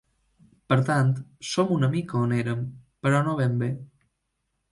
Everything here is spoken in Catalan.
Per tant, som una mica on érem, però no ben bé.